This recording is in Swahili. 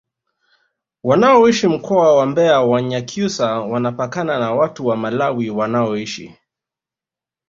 wanaoishi mkoa wa mbeya wanyakyusa wanapakana na watu wa malawi wanaoishi